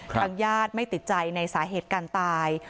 ทางญาติไม่ติดใจในสาเหตุการตาย